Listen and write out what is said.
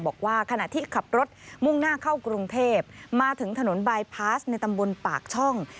บอกว่าขณะที่ขับรถมุ่งหน้าเข้ากรุงเทพมาถึงถนนบายพาสในตำบลปากช่อง